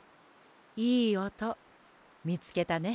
いいおとみつけたね。